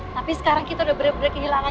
tapi sekarang kita sudah kehilangan